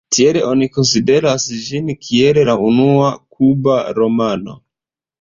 Tiel oni konsideras ĝin kiel la unua kuba romano.